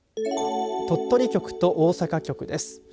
鳥取局と大阪局です。